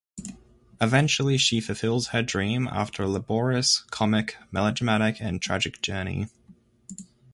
Eventually she fulfills her dream after a laborious, comic, melodramatic, and tragic journey.